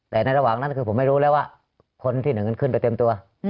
แต่ในระหว่างนั้นคือผมไม่รู้แล้วว่าคนที่หนึ่งขึ้นไปเต็มตัว